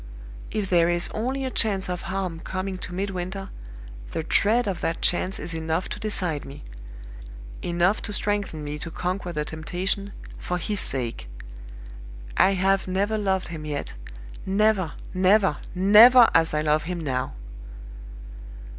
If there is only a chance of harm coming to Midwinter, the dread of that chance is enough to decide me enough to strengthen me to conquer the temptation, for his sake. I have never loved him yet, never, never, never as I love him now!"